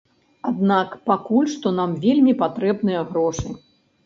Аднак пакуль што нам вельмі патрэбныя грошы.